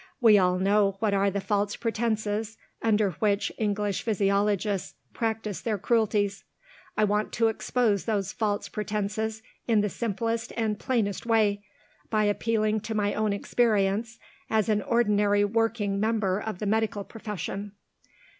"We all know what are the false pretences, under which English physiologists practice their cruelties. I want to expose those false pretences in the simplest and plainest way, by appealing to my own experience as an ordinary working member of the medical profession.